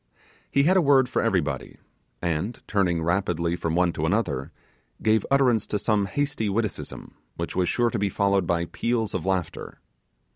He had a word for everybody; and, turning rapidly from one to another, gave utterance to some hasty witticism, which was sure to be followed by peals of laughter.